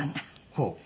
ほう。